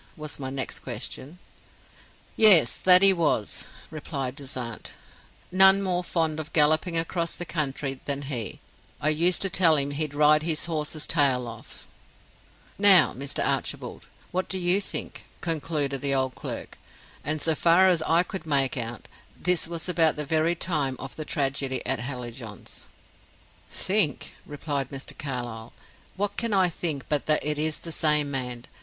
was my next question. 'Yes, that he was,' replied Bezant; 'none more fond of galloping across the country than he; I used to tell him he'd ride his horse's tail off.' Now, Mr. Archibald, what do you think?" concluded the old clerk; "and so far as I could make out, this was about the very time of the tragedy at Hallijohn's." "Think?" replied Mr. Carlyle. "What can I think but that it is the same man.